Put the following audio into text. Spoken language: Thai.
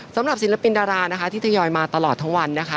สำหรับศิลปินดารานะคะที่ทยอยมาตลอดทั้งวันนะคะ